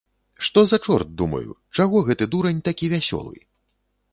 Што за чорт, думаю, чаго гэты дурань такі вясёлы?